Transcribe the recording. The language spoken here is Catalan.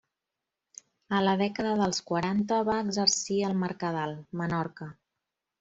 A la dècada dels quaranta va exercir al Mercadal, Menorca.